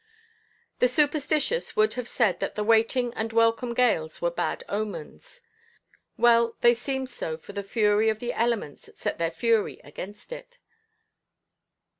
The superstitious would have said that the waiting and welcome gales were bad omens. Well they seemed so for the fury of the elements set their fury against it.